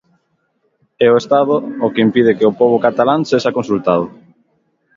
É o Estado o que impide que o pobo catalán sexa consultado.